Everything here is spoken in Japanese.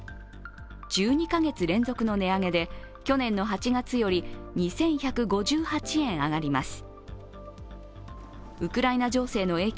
１２カ月連続の値上げで去年の８月より２１５８円上がります。